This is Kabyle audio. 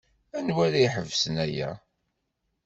Anwa ara iḥebsen aya?